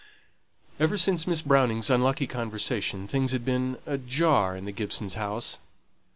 Ever since Miss Browning's unlucky conversation, things had been ajar in the Gibsons' house.